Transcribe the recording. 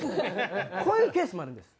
こういうケースもあるんです。